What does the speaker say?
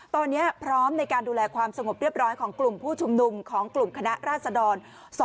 ตอนนี้พร้อมในการดูแลความสงบเรียบร้อยของกลุ่มผู้ชุมนุมของกลุ่มคณะราษดร๒๕๖